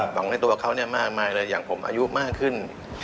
ของในตัวเขาเนี่ยมากมายเลยอย่างผมอายุมากขึ้น